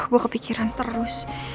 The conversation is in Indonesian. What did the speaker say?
gue kepikiran terus